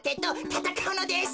たたかうのです。